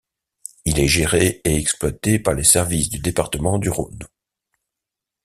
Il est géré et exploité par les services du département du Rhône.